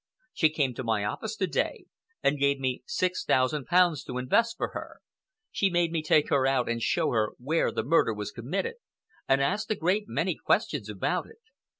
"She came to my office to day and gave me six thousand pounds to invest for her. She made me take her out and show her where the murder was committed, and asked a great many questions about it.